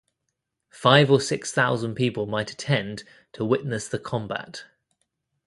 Five or six thousand people might attend to witness the combat.